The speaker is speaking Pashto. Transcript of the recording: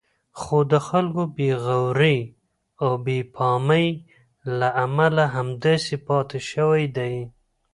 خو د خلکو بې غورئ او بې پامۍ له امله همداسې پاتې شوی دی.